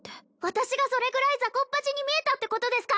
私がそれぐらい雑魚っぱちに見えたってことですか？